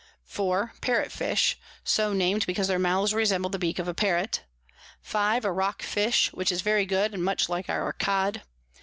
4. Parrot Fish, so nam'd because their Mouths resemble the Beak of a Parrot. 5. A Rock Fish, which is very good, and much like our Cod.